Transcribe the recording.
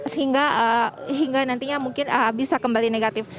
sehingga hingga nantinya mungkin bisa kembali negatif